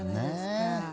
ねえ。